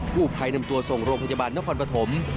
ผู้ภัยนำตัวส่งโรงพยาบาลนครปฐม